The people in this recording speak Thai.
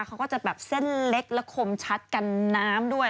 เขาก็จะแบบเส้นเล็กและคมชัดกันน้ำด้วย